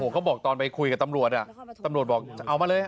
เขาบอกตอนไปคุยกับตำรวจตำรวจบอกจะเอามาเลย